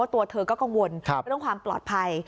ตัวเธอก็กังวลเรื่องความปลอดภัย